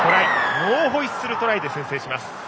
ノーホイッスルトライで先制します。